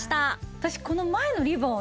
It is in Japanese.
私この前のリボンをね